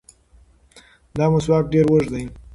دا مسواک ډېر اوږد دی.